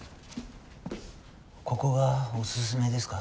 ここがおすすめですか。